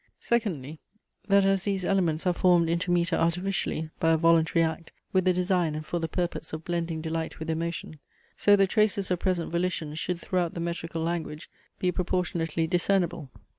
Secondly, that as these elements are formed into metre artificially, by a voluntary act, with the design and for the purpose of blending delight with emotion, so the traces of present volition should throughout the metrical language be proportionately discernible.